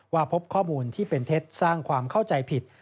ว่าพบข้อมูลที่เป็นเท็จสร้างความเข้าใจผิด